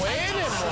もう。